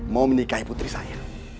mau menikahi putri saya